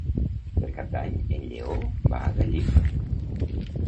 Per Cap d'Any en Lleó va a Gallifa.